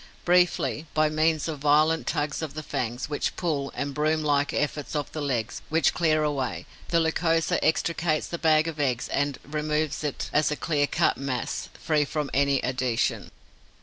Briefly, by means of violent tugs of the fangs, which pull, and broom like efforts of the legs, which clear away, the Lycosa extricates the bag of eggs and removes it as a clear cut mass, free from any adhesion.